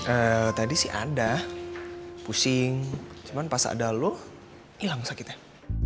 eh tadi sih ada pusing cuman pas ada lu hilang sakitnya